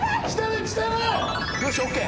よしＯＫ。